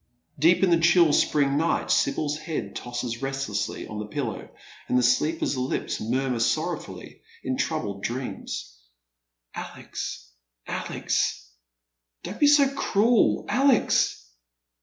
Deep in the chill spring night Sibj'l's head tosses restlessly on the pillow, and the sleeper's lips murmur sorrowfully in troubled dreams, —" Alex, Alex — don't be so cruel, Alex.